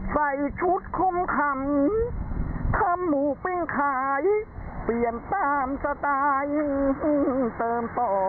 ใส่ชุดคมขำทำหมูปิ้งขายเปลี่ยนตามสไตล์ยิ่งเติมต่อ